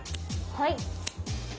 はい。